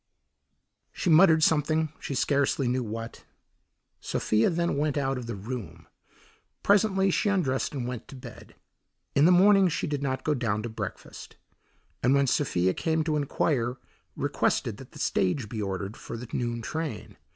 She muttered something, she scarcely knew what. Sophia then went out of the room. Presently she undressed and went to bed. In the morning she did not go down to breakfast, and when Sophia came to inquire, requested that the stage be ordered for the noon train.